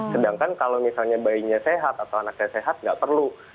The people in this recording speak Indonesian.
sedangkan kalau misalnya bayinya sehat atau anaknya sehat nggak perlu